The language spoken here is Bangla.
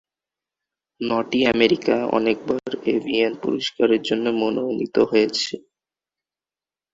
নটি আমেরিকা অনেকবার এভিএন পুরস্কারের জন্য মনোনীত হয়েছে।